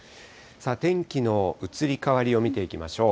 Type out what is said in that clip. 天気の移り変わりを見ていきましょう。